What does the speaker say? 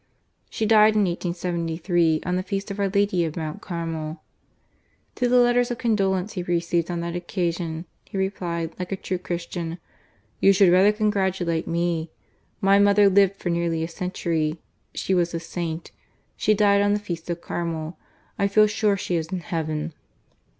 She died in 1873, on the feast of Our Lady of Mount Carmel, To the letters of condolence he received on that occasion, he replied, like a true Christian : "You should rather congratulate me: my mother lived for nearly a century. She was a saint. She died on the feast of Carmel. I feel sure she is in Heaven."